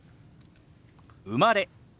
「生まれ」。